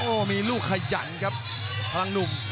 โอ้มีลูกขยันกับพลังนม